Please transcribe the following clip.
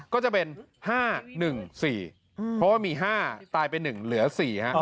ก็จะเป็นห้าหนึ่งสี่เพราะว่ามีห้าตายไปหนึ่งเหลือสี่